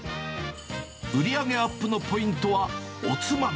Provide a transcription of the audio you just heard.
売り上げアップのポイントは、おつまみ。